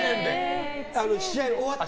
試合が終わって。